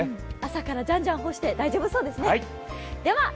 朝からじゃんじゃん干して大丈夫そうですね。